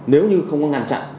nếu như không có ngăn chặn